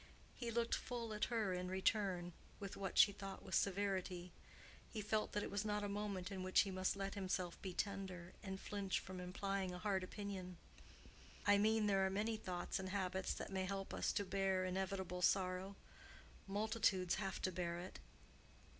He looked full at her in return, with what she thought was severity. He felt that it was not a moment in which he must let himself be tender, and flinch from implying a hard opinion. "I mean there are many thoughts and habits that may help us to bear inevitable sorrow. Multitudes have to bear it."